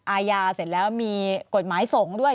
อาญาเสร็จแล้วมีกฎหมายสงฆ์ด้วย